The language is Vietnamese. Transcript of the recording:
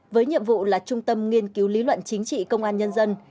với nhiệm vụ là trung tâm nghiên cứu lý luận chính trị công an nhân dân